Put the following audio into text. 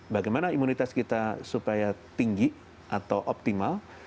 bagaimana imunitas kita supaya tinggi atau optimal